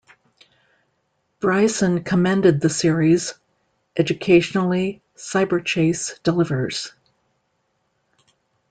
Bryson commended the series: "Educationally, "Cyberchase" delivers".